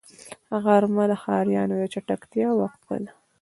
غرمه د ښاريانو د چټکتیا وقفه ده